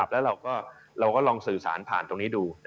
แล้วเราก็ลองสื่อสารผ่านตรงนี้ดู